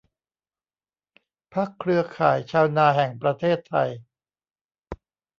พรรคเครือข่ายชาวนาแห่งประเทศไทย